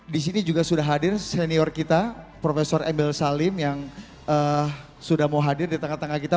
di sini juga sudah hadir senior kita profesor emil salim yang sudah mau hadir di tengah tengah kita